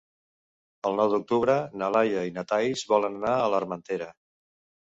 El nou d'octubre na Laia i na Thaís volen anar a l'Armentera.